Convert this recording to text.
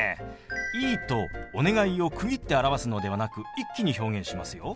「いい」と「お願い」を区切って表すのではなく一気に表現しますよ。